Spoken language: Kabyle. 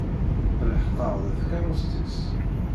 Telḥeq-aɣ-d tkeṛṛust-is.